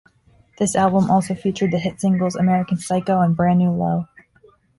This album also featured the hit singles "American Psycho" and "Brand New Low".